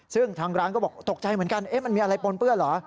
ซึ่งทางร้านก็บอกตกใจเหมือนกันมันมีอะไรปนเปื้อนเหรอ